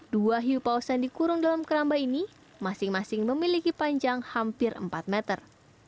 dua hiu paus yang dikurung dalam keramba ini masing masing memiliki panjang hampir empat meter